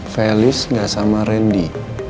felis gak sama rendy